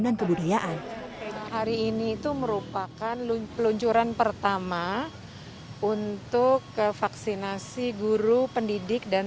dan kebudayaan hari ini itu merupakan luncuran pertama untuk ke vaksinasi guru pendidik dan